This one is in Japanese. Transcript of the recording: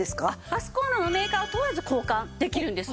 ガスコンロのメーカー問わず交換できるんですね。